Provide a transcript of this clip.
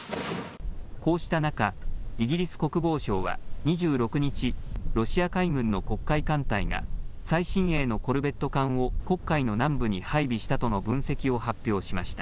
こうした中、イギリス国防省は２６日、ロシア海軍の黒海艦隊が最新鋭のコルベット艦を黒海の南部に配備したとの分析を発表しました。